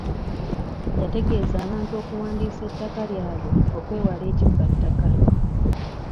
Yategeeza abantu okuwandiisa ettaka lyabwe okwewala kibba ttaka.